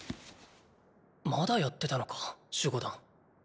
まだやってたのか守護団ーー。